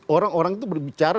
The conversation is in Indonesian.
orang orang itu berbicara